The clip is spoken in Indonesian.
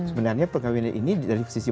sebenarnya pegawai ini dari sisi